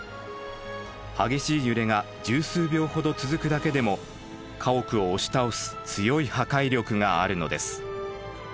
激しい揺れが十数秒ほど続くだけでも家屋を押し倒す強い破壊力があるのです。